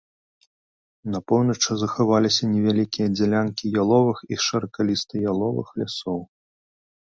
На поўначы захаваліся невялікія дзялянкі яловых і шыракаліста-яловых лясоў.